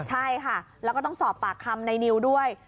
ใช่ค่ะแล้วก็ต้องสอบปากคำในนิวด้วย